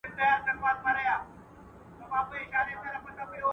په لاس لیکلنه د ناممکنو شیانو د ممکن کولو پیل دی.